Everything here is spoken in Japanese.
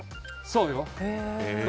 そうよ。